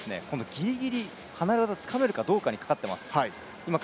ギリギリ離れ技つかめるかどうかにかかっていると思います。